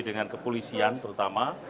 dengan kepolisian terutama